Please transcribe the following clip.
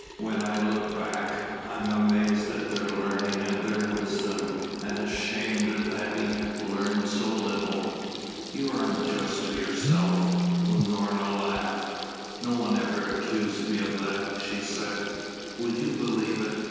When I look back, I am amazed at their learning and their wisdom and ashamed of having learned so little." "You are unjust to yourself." Unorna laughed. "No one ever accused me of that," she said. "Will you believe it?